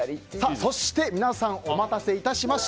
そして、皆さんお待たせいたしました。